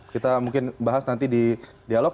kita mungkin bahas nanti di dialog